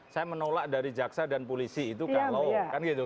saya menolak dari jaksa dan polisi itu kalau kan gitu